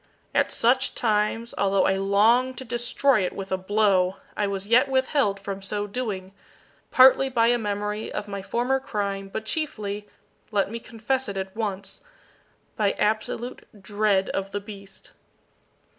At such times, although I longed to destroy it with a blow, I was yet withheld from so doing, partly by a memory of my former crime, but chiefly let me confess it at once by absolute dread of the beast.